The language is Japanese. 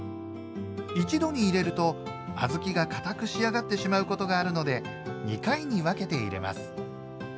一度に入れると小豆がかたく仕上がってしまうことがあるので２回に分けて入れます。